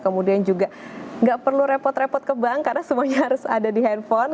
kemudian juga nggak perlu repot repot ke bank karena semuanya harus ada di handphone